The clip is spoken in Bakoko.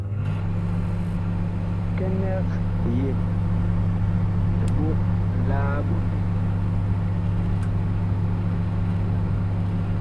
Bikɛnɛg biyem, liɓog la ɓotle.